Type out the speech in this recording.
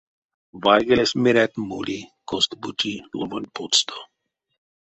Вайгелесь, мерят, моли косто-бути ловонть потсто.